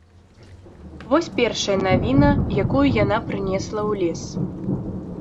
Вось першая навіна, якую яна прынесла ў лес.